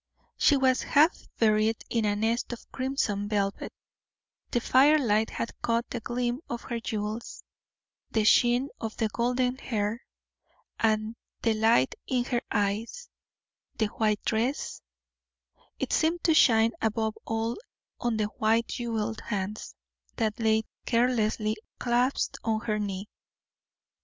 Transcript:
She was half buried in a nest of crimson velvet, the firelight had caught the gleam of her jewels, the sheen of the golden hair, the light in her eyes, the white dress: it seemed to shine above all on the white jeweled hands, that lay carelessly clasped on her knee.